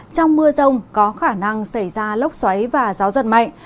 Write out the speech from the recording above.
trong mưa rông có khả năng xảy ra lốc xoáy và gió giật mạnh